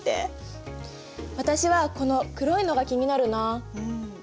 私はこの黒いのが気になるな。